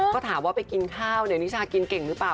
ก็ถามว่าไปกินข้าวเนี่ยนิชากินเก่งหรือเปล่า